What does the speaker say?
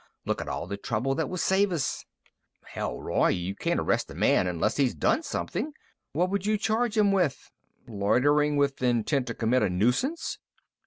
Look at all the trouble that would save us." "Hell, Roy! You can't arrest a man unless he's done something! What would you charge 'em with? Loitering with intent to commit a nuisance?"